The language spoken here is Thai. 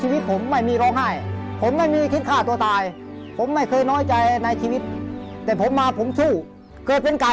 วันนี้ขอบคุณพี่แปลและก็ครอบครัวมากเลยค่ะ